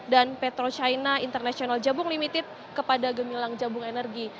dan petro china international jabung limited kepada gemilang jabung energi